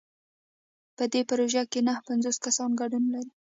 په دې پروژه کې نهه پنځوس کسان ګډون لري.